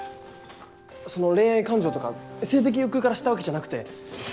恋愛感情とか性的欲求からしたわけじゃなくて。